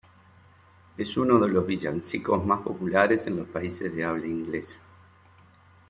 Es uno de los villancicos más populares en los países de habla inglesa.